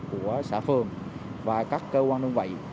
của xã phường và các cơ quan đơn vị